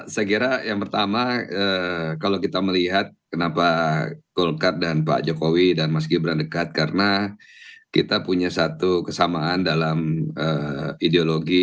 saya kira yang pertama kalau kita melihat kenapa golkar dan pak jokowi dan mas gibran dekat karena kita punya satu kesamaan dalam ideologi